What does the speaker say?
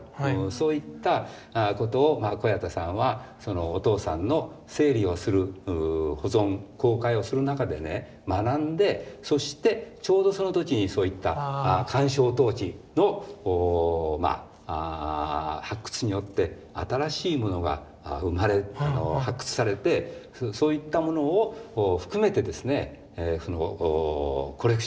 そういったことを小彌太さんはお父さんの整理をする保存公開をする中でね学んでそしてちょうどその時にそういった鑑賞陶器の発掘によって新しいものが生まれ発掘されてそういったものを含めてですねコレクション。